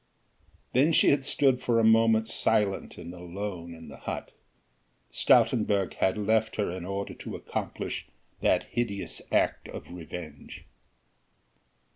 Then she had stood for a moment silent and alone in the hut. Stoutenburg had left her in order to accomplish that hideous act of revenge.